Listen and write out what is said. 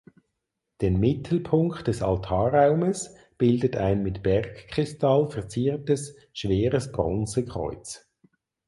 Den Mittelpunkt des Altarraumes bildet ein mit Bergkristall verziertes schweres Bronzekreuz.